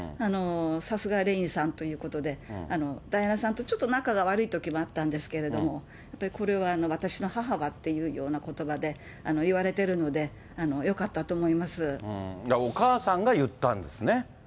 さすがレインさんということで、ダイアナさんとちょっと仲が悪いときもあったんですけれども、やっぱりこれは、私の母はっていうようなことばで言われてるので、よかったと思いお母さんが言ったんですね。